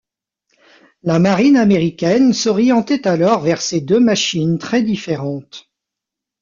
La marine américaine s'orientait alors vers ces deux machines très différentes.